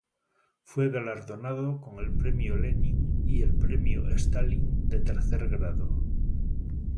Fue galardonado con el Premio Lenin y el Premio Stalin de tercer grado.